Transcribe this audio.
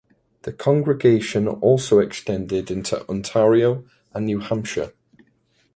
The congregation also extended into Ontario and New Hampshire.